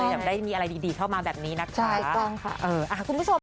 ก็เลยจะได้มีอะไรดีเข้ามาแบบนี้นะคะใช่ต้องค่ะ